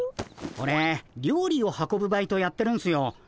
オレ料理を運ぶバイトやってるんすよ。